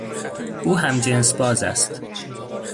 او همجنسباز است.